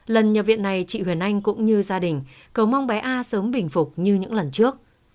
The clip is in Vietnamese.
lần nhập viện này chị huyền anh cũng như gia đình cầu mong bé a sớm bình phục như những lần trước